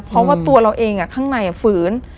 เพราะว่าตัวเราเองข้างในฝืน